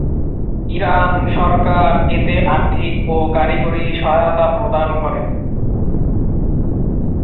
Iran সরকার এতে আর্থিক ও কারিগরি সহায়তা প্রদান করে।